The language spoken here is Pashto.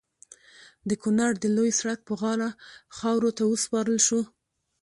د کونړ د لوی سړک پر غاړه خاورو ته وسپارل شو.